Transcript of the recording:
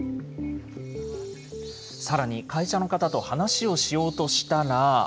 さらに会社の方と話をしようとしたら。